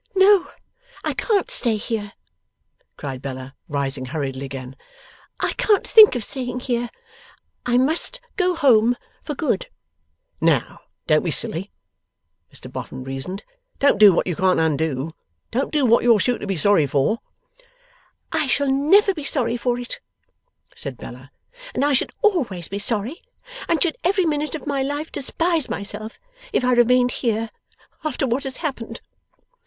'No, I can't stay here,' cried Bella, rising hurriedly again; 'I can't think of staying here. I must go home for good.' 'Now, don't be silly,' Mr Boffin reasoned. 'Don't do what you can't undo; don't do what you're sure to be sorry for.' 'I shall never be sorry for it,' said Bella; 'and I should always be sorry, and should every minute of my life despise myself if I remained here after what has happened.